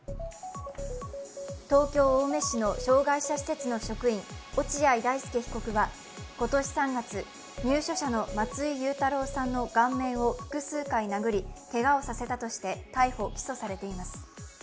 東京・青梅市の障害者施設の職員落合大丞被告は今年３月、入所者の松井佑太朗さんの顔面を複数回殴り、けがをさせたとして逮捕・起訴されています。